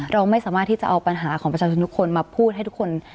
เราไม่สามารถที่จะเอาปัญหาของประชาชนทุกคนมาพูดให้ทุกคน